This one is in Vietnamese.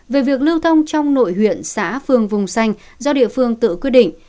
về việc lưu thông trong nội huyện xã phường vùng xanh do địa phương tự quyết định